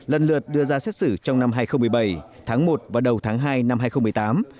lần lượt đưa ra xét xử trong năm hai nghìn một mươi bảy tháng một và đầu tháng hai năm hai nghìn một mươi tám